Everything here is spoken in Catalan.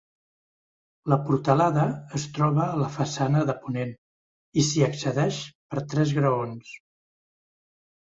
La portalada es troba a la façana de ponent i s’hi accedeix per tres graons.